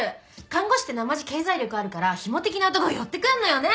看護師ってなまじ経済力あるからヒモ的な男寄ってくるのよね！